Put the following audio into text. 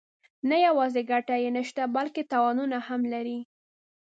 نه یوازې ګټه یې نشته بلکې تاوانونه هم لري.